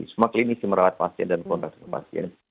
semua klinisi merawat pasien dan kontak dengan pasien